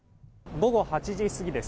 午後８時過ぎです。